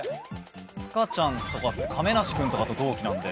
塚ちゃんとか亀梨君とかと同期なんで。